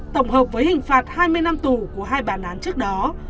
tổng hợp với hình phạt hai mươi năm tù của hai bản án trước đó